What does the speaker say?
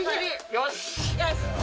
よし。